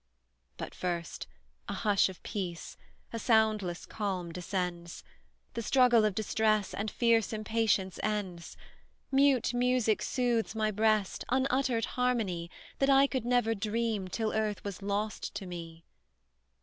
"But, first, a hush of peace a soundless calm descends; The struggle of distress, and fierce impatience ends; Mute music soothes my breast unuttered harmony, That I could never dream, till Earth was lost to me.